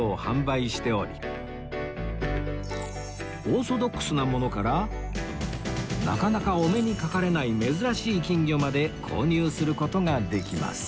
オーソドックスなものからなかなかお目にかかれない珍しい金魚まで購入する事ができます